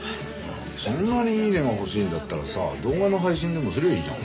そんなにいいねが欲しいんだったらさ動画の配信でもすりゃあいいじゃん。